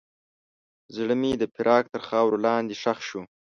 زړه مې د فراق تر خاورو لاندې ښخ شو.